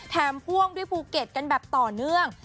พ่วงด้วยภูเก็ตกันแบบต่อเนื่อง